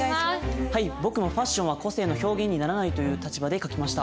僕もファッションは個性の表現にならないという立場で書きました。